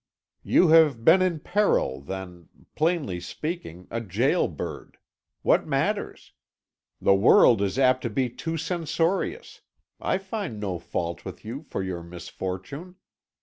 "You have been in peril, then plainly speaking, a gaol bird. What matters? The world is apt to be too censorious; I find no fault with you for your misfortune.